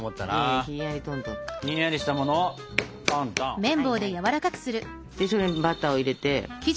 はいはいそれにバターを入れて。